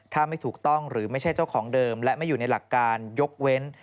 ถ้าไม่ถูกต้องหรือไม่ใช่เจ้าของเดิมและไม่อยู่ในหลักการยกเว้น